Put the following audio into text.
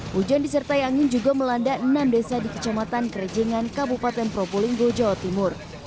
hujan disertai angin juga melanda enam desa di kecamatan kerejengan kabupaten probolinggo jawa timur